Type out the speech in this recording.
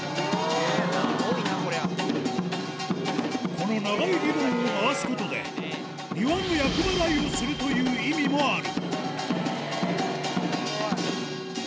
この長いリボンを回すことで庭の厄払いをするという意味もある